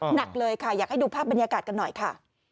หนักเลยค่ะอยากให้ดูภาพบรรยากาศกันหน่อยค่ะ